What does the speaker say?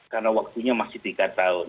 karena waktunya masih tiga tahun